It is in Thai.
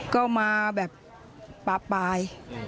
ก็มาแบบป๊าปปลาย